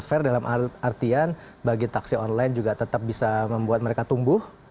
fair dalam artian bagi taksi online juga tetap bisa membuat mereka tumbuh